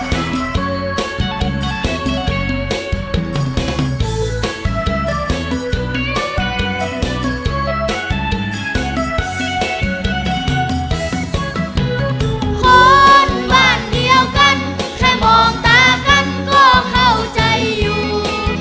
คนบ้านเดียวกันแค่มองตากันก็เข้าใจอยู่